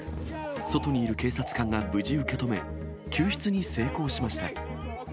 外にいる警察官が無事受け止め、救出に成功しました。